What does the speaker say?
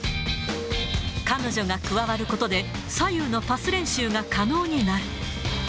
彼女が加わることで、左右のパス練習が可能になる。